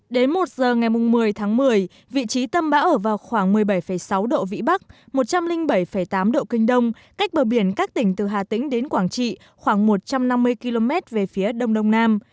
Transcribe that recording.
đến một giờ ngày một mươi tháng một mươi vị trí tâm bão ở vào khoảng một mươi bảy sáu độ vĩ bắc một trăm linh bảy tám độ kinh đông cách bờ biển các tỉnh từ hà tĩnh đến quảng trị khoảng một trăm năm mươi km về phía đông đông nam